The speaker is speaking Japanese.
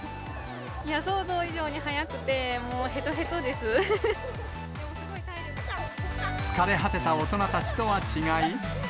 想像以上に速くて、もうへと疲れ果てた大人たちとは違い。